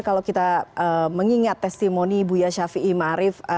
kalau kita mengingat testimoni buya syafi'i mahari